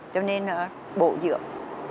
cho nên nó bổ dưỡng